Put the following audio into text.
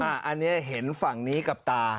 อันนี้เห็นฝั่งนี้กับตา